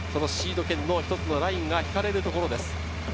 シード権の一つのラインが引かれるところです。